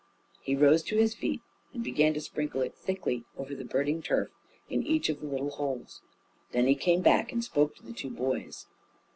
He rose to his feet and began to sprinkle it thickly over the burning turf in each of the little holes. Then he came back and spoke to the two boys.